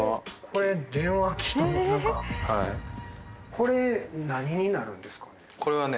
これ何になるんですかね？